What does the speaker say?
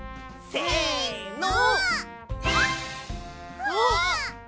せの！